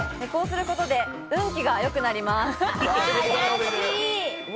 こうすることで運気が良くなります。